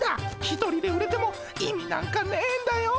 一人で売れても意味なんかねんだよ。